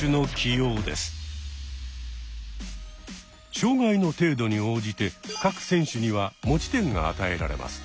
障害の程度に応じて各選手には持ち点が与えられます。